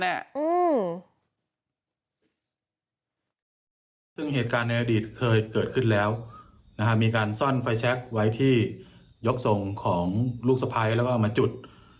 ซึ่งเหตุการณ์ในอดีตเคยเกิดขึ้นแล้วมีการซ่อนไฟแชคไว้ที่ยกส่งของลูกสะพ้ายแล้วก็เอามาจุด